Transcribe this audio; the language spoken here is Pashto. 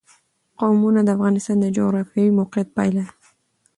قومونه د افغانستان د جغرافیایي موقیعت پایله ده.